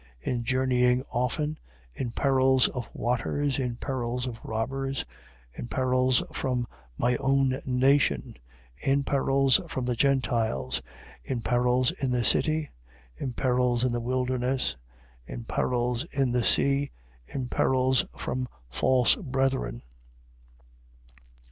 11:26. In journeying often, in perils of waters, in perils of robbers, in perils from my own nation, in perils from the Gentiles, in perils in the city, in perils in the wilderness, in perils in the sea, in perils from false brethren: 11:27.